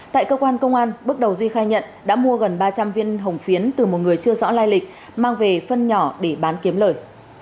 tại cơ quan công an bước đầu duy khai nhận đã mua gần ba trăm linh viên hồng phiến từ một người chưa rõ lai lịch mang về phân nhỏ để bán kiếm lời